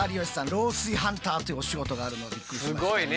漏水ハンターっていうお仕事があるのはびっくりしましたね。